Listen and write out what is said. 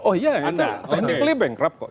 oh iya ya technically bankrupt kok